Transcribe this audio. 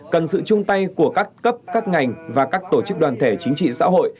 cần sự chung tay của các cấp các ngành và các tổ chức đoàn thể chính trị xã hội